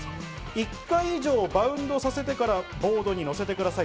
１回以上バウンドさせてからボードにのせてください。